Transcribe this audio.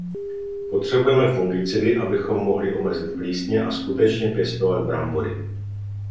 Potřebujeme fungicidy, abychom mohli omezit plíseň a skutečně pěstovat brambory.